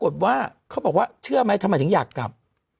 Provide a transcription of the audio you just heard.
แบบเชื่อไหมทำไมถึงอยากกลับ